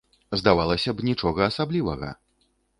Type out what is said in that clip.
Здавалася б, нічога асаблівага.